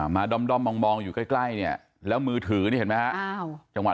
มาดอมมองอยู่ใกล้แล้วมือถือนี่เห็นไหมฮะ